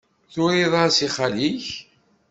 Turiḍ-as i xali-k?